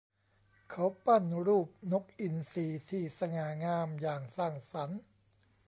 เขาปั้นรูปนกอินทรีที่สง่างามอย่างสร้างสรรค์